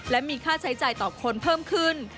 และมีค่าใช้จ่ายต่อคนเพิ่มขึ้น